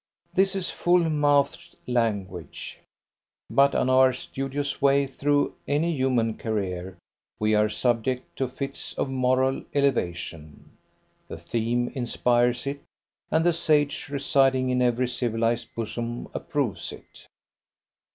This is full mouthed language; but on our studious way through any human career we are subject to fits of moral elevation; the theme inspires it, and the sage residing in every civilized bosom approves it.